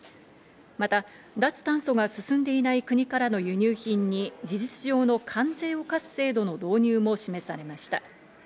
また、脱炭素が進んでいない国からの輸入品に事実上の関税を課す制度の導入も示されました。